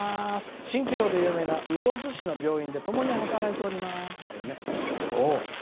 「蜃気楼で有名な魚津市の病院でともに働いています」。